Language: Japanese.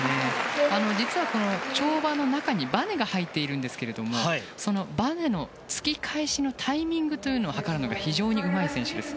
実は跳馬の中にばねが入っているんですがそのばねのつき返しのタイミングを計るのが非常にうまい選手です。